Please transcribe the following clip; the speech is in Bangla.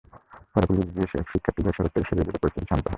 পরে পুলিশ গিয়ে শিক্ষার্থীদের সড়ক থেকে সরিয়ে দিলে পরিস্থিতি শান্ত হয়।